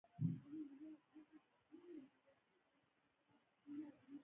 • شنې سترګې د رڼا او تیارو ترمنځ یوه طبیعي لړۍ څرګندوي.